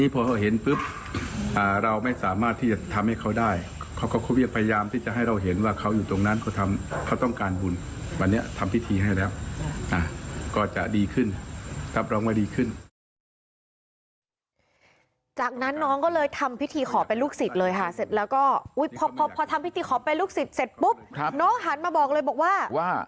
พอทำพิธีขอเป็นลูกศิษย์เสร็จปุ๊บน้องหนึ่งมาบอกว่า